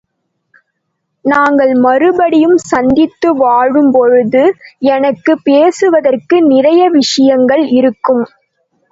நாங்கள் மறுபடியும் சந்தித்து வாழும் போது எனக்குப் பேசுவதற்கு நிறைய விஷயங்கள் இருக்கும்.